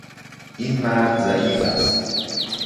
این مرد ضعیف است.